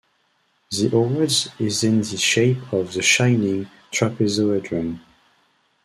The award is in the shape of the Shining Trapezohedron.